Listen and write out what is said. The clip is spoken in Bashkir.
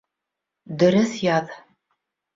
Дөрөҫ яҙ